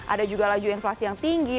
ada juga laju inflasi yang tinggi